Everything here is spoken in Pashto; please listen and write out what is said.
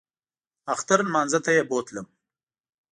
اختر لمانځه ته یې بوتلم.